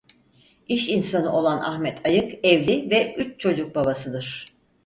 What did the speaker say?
İş insanı olan Ahmet Ayık evli ve üç çocuk babasıdır.